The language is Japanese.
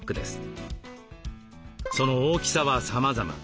その大きさはさまざま。